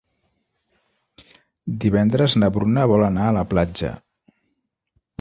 Divendres na Bruna vol anar a la platja.